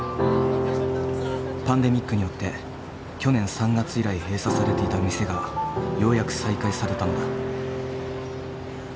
パンデミックによって去年３月以来閉鎖されていた店がようやく再開されたのだ。